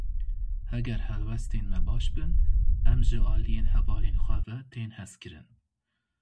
Heger helwestên me baş bin em ji aliyên hevalên xwe ve tên hezkirin.